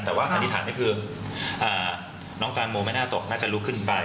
แต่ว่าสันนิษฐานก็คือน้องแตงโมไม่น่าตกน่าจะลุกขึ้นไป